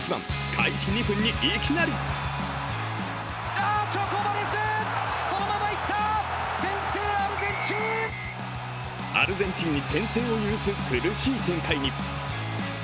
開始２分にいきなりアルゼンチンに先制を許す苦しい展開に。